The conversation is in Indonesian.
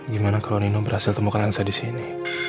gimana kalau nino berhasil temukan lensa di sini